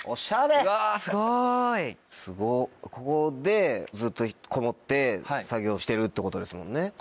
ここでずっとこもって作業してるってことですもんね？